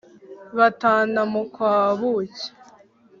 batana mu kwa buki